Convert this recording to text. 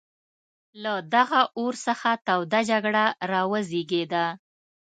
له دغه اور څخه توده جګړه را وزېږېده.